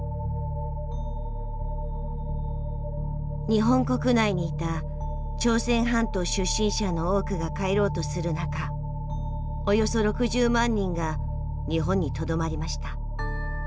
日本国内にいた朝鮮半島出身者の多くが帰ろうとする中およそ６０万人が日本にとどまりました。